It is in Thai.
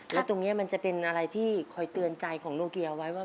แล้วตรงนี้มันจะเป็นอะไรที่คอยเตือนใจของโนเกียเอาไว้ว่า